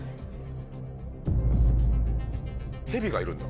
ヘビがいるんだ。